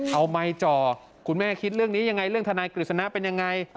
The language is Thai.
เอาไมค์จ่อคุณแม่คิดเรื่องนี้ยังไงเรื่องทนายกฤษณะเป็นยังไง